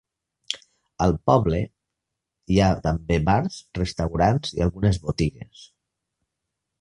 Al poble hi ha també bars, restaurants i algunes botigues.